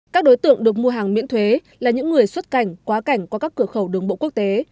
các đối tượng được mua hàng miễn thuế là những người xuất cảnh quá cảnh qua các cửa khẩu đường bộ quốc tế